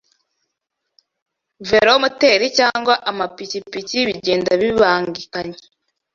velometeri cyangwa amapikipiki bigenda bibangikanye